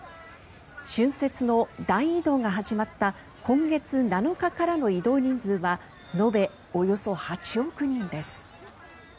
春節の大移動が始まった今月７日からの移動人数は延べおよそ８億人です。